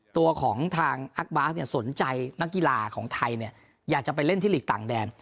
ตัวของทางอักบาสเนี่ยสนใจนักกีฬาของไทยเนี่ยอยากจะไปเล่นที่หลีกต่างแดน